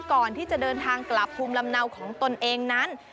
ก่อนที่จะเดินทางกลับภูมิลำเนาของตนเองนั้น